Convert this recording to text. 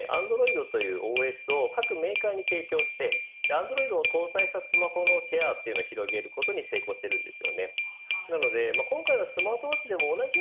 グーグルはアンドロイドというＯＳを各メーカーに提供してアンドロイドを搭載したスマホのシェアを広げることに成功しています。